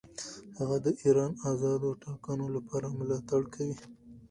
هغه د ایران آزادو ټاکنو لپاره ملاتړ کوي.